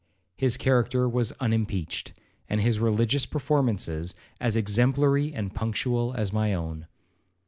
His character was unimpeached, and his religious performances as exemplary and punctual as my own.